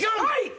はい！